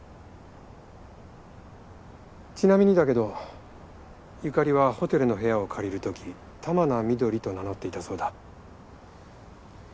ちなみにだけど由香里はホテルの部屋を借りる時玉名翠と名乗っていたそうだ。